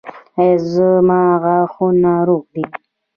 ایا زما غاښونه روغ دي؟